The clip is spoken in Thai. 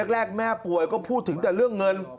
แรกแม่ป่วยก็พูดถึงแต่เรื่องเงิน